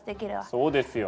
そうですよ。